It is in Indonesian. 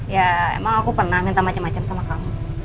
ya emang aku pernah minta macam macam sama kamu